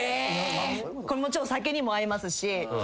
これもちろん酒にも合いますし。